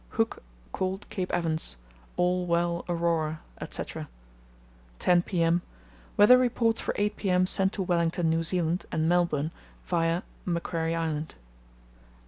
Hooke called Cape Evans, 'All well—Aurora,' etc.; 10 p.m., weather reports for 8 p.m. sent to Wellington, New Zealand, and Melbourne, via Macquarie Island.